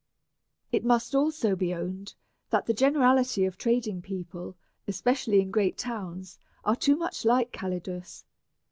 It must also be owned that the generality of trading peoplCj especially in great towns^ are too much like Calidus.